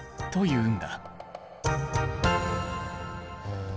うん。